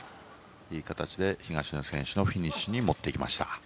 いい形で東野選手のフィニッシュに持っていきました。